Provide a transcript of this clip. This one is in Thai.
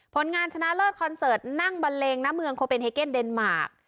ผลงานชนะเลิศคอนเสิร์ตนั่งบันเลงณเมืองโคเป็นเฮเกนเดนมาร์ค